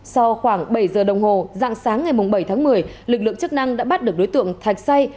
sau khoảng bảy giờ đồng hồ dạng sáng ngày bảy tháng một mươi lực lượng chức năng đã bắt được đối tượng thạch say